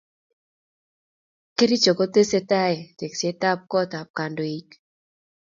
Kericho kotestaike tekset ab kot ab kandoik